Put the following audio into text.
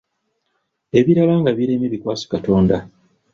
Ebirala nga biremye bikwase Katonda.